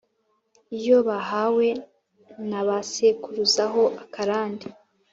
iyo bahawe na ba sekuruza ho akarande